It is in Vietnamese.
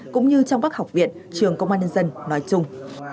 cũng như trong các học viện trường công an nhân dân nói chung